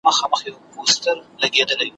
نه د خیر نه د ریشتیا تمه له چا سته ,